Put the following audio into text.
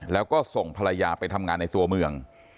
แล้วก็ส่งภรรยาไปทำงานในตัวเมือง